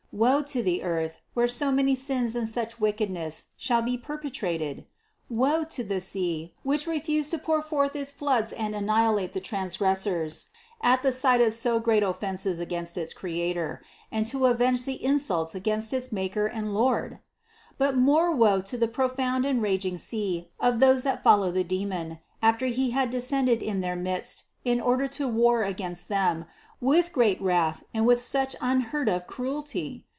Woe to the earth, where so many sins and such wickedness shall be perpe trated! Woe to the sea, which refused to pour forth its floods and annihilate the transgressors at the sight of so great offenses against its Creator, and to avenge the in sults against its Maker and Lord! But more woe to the profound and raging sea of those that follow the demon, after he had descended in their midst in order to war against them with great wrath and with such unheard of cruelty